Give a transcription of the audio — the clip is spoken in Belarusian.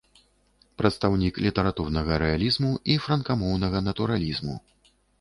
Прадстаўнік літаратурнага рэалізму і франкамоўнага натуралізму.